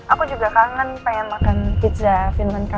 aku juga kangen pengen makan pizza finlancong